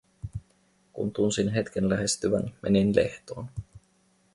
Kun tunsin hetken lähestyvän, menin lehtoon.